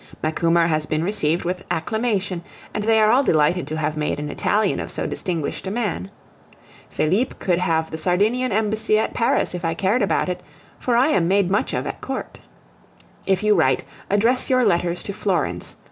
Macumer has been received with acclamation, and they are all delighted to have made an Italian of so distinguished a man. Felipe could have the Sardinian embassy at Paris if I cared about it, for I am made much of at court. If you write, address your letters to Florence.